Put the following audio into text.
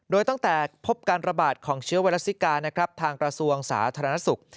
โดยตั้งแต่พบการระบาดของเชื้อไวรัสซิกานะครับทางกระทรวงสาธารณสุข